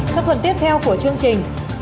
trong tuần tiếp theo của chương trình